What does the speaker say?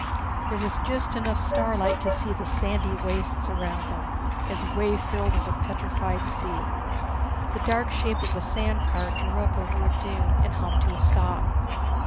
There was just enough starlight to see the sandy wastes around them, as wave filled as a petrified sea. The dark shape of a sand car drew up over a dune and hummed to a stop.